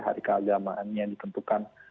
hari keagamaan yang ditentukan